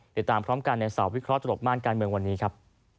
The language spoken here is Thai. ติดตามพร้อมกันในเสาร์วิเคราะห์ตลกม่านการเมืองวันนี้ครับ